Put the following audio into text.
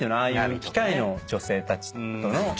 ああいう機械の女性たちとの。